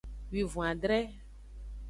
Wivon-adre.